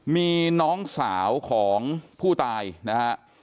มีน้องสาวของผู้ตายนะฮะ